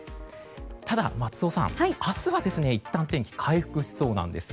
ただ、松尾さん明日はいったん天気が回復しそうなんです。